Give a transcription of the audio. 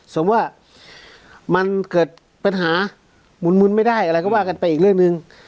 สมมุติว่ามันเกิดปัญหามุนไม่ได้อะไรก็ว่ากันไปอีกเรื่องหนึ่ง